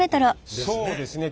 そうですね。